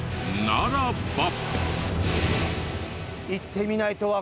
ならば。